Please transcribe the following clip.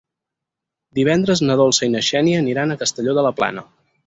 Divendres na Dolça i na Xènia aniran a Castelló de la Plana.